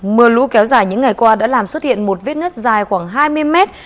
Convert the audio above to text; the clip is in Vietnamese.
mưa lũ kéo dài những ngày qua đã làm xuất hiện một vết nứt dài khoảng hai mươi mét